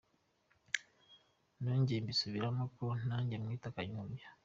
Nongere mbisubiremo ko nanjye mwita Kanyombya.